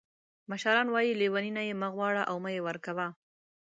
مشران وایي لیوني نه یې مه غواړه او مه یې ورکوه.